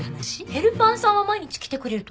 ヘルパーさんは毎日来てくれると思う。